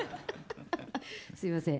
すいません。